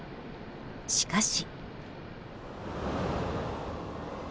しかし。